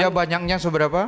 ya banyaknya seberapa